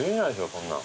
こんなん。